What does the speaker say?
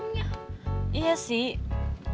tapi kenapa lo setuju mamanya boy jodohin boy sama adriana